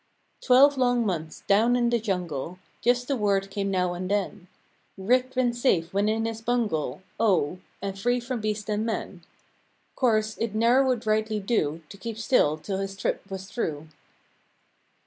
Twelve long months down in the jungle; Just a word came now and then; Writ when safe within his bungal— Ow, and free from beast and men, 'Course it ne'er would rightly do To keep still 'till his trip was through.